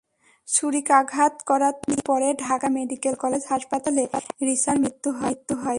ছুরিকাঘাত করার তিন দিন পরে ঢাকা মেডিকেল কলেজ হাসপাতালে রিসার মৃত্যু হয়।